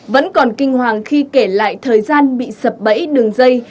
vẫn còn kinh hoàng khi kể lại thời gian bị sập bẫy đường dây